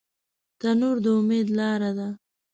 تنور د امید لاره ده